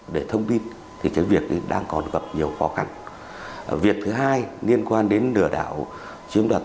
đã tiếp tục là